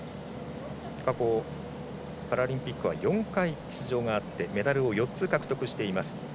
過去、パラリンピックは４回出場があってメダルを４つ獲得しています。